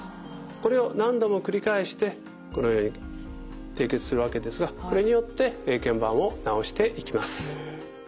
これを何度も繰り返してこのように締結するわけですがこれによってけん板を治していきます。